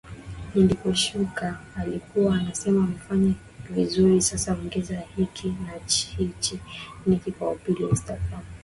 niliposhuka alikuwa anasema umefanya vizuri sasa ongeza hiki na hichi Nikki wa pili Instagram